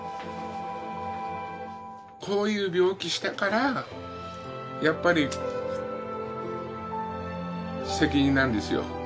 こういう病気したからやっぱり責任なんですよ。